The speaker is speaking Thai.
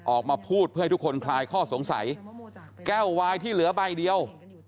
ออกมาพูดเพื่อให้ทุกคนคลายข้อสงสัยแก้ววายที่เหลือใบเดียว